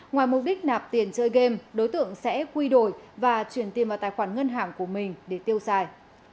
ngoài mục đích nạp tiền chơi game đối tượng sẽ quy đổi và chuyển tiền vào tài khoản ngân hàng của mình để tiêu xài